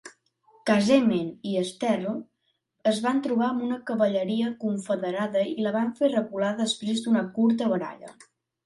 Casement i Sterhl es van trobar amb la cavalleria confederada i la van fer recular després d'una curta baralla.